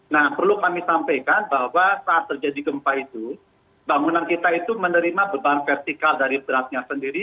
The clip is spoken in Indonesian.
nah perlu kami sampaikan bahwa saat terjadi gempa itu bangunan kita itu menerima beban vertikal dari beratnya sendiri